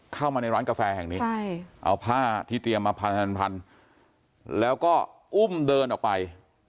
เข้ามาในร้านกาแฟแห่งนี้เอาผ้าที่เตรียมมาพันแล้วก็อุ้มเดินออกไป